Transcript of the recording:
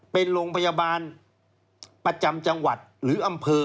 เป็นโรงพยาบาลประจำจังหวัดหรืออำเภอ